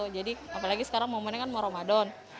jadi apalagi sekarang momennya kan mau ramadan